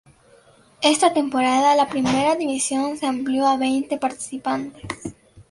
Esta temporada la Primera División se amplió a veinte participantes.